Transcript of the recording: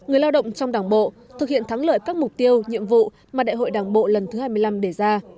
người lao động trong đảng bộ thực hiện thắng lợi các mục tiêu nhiệm vụ mà đại hội đảng bộ lần thứ hai mươi năm đề ra